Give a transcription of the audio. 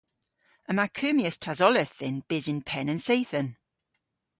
Yma kummyas tasoleth dhyn bys yn penn an seythen.